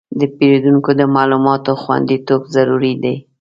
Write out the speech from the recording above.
د پیرودونکو د معلوماتو خوندیتوب ضروري دی.